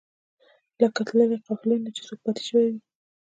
لکه له تللې قافلې نه چې څوک پاتې شوی وي.